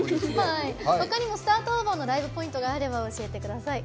他にも「Ｓｔａｒｔｏｖｅｒ！」のライブポイントがあれば教えてください。